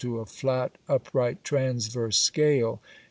6] to a flat upright transverse scale (fig.